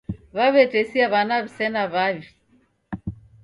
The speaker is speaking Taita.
Waw'etesia w'ana wisena wavi